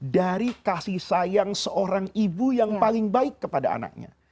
dari kasih sayang seorang ibu yang paling baik kepada anaknya